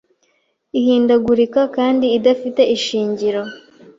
ihindagurika kandi idafite ishingiro